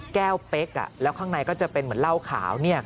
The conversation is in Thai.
เป๊กแล้วข้างในก็จะเป็นเหมือนเหล้าขาว